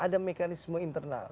ada mekanisme internal